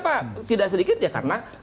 bahwa koran tempo menulis